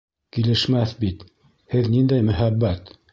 — Килешмәҫ бит, һеҙ ниндәй мөһабәт...